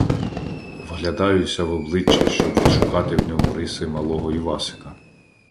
Вглядаюся в обличчя, щоб відшукати в ньому риси малого Івасика.